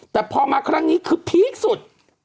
แต่พอมาครั้งนี้คือพีคสุด